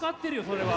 それは！